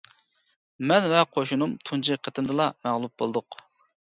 مەن ۋە قوشۇنۇم تۇنجى قېتىمدىلا مەغلۇپ بولدۇق.